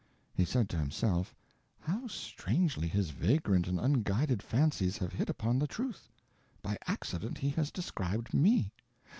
He said to himself, "How strangely his vagrant and unguided fancies have hit upon the truth. By accident, he has described me.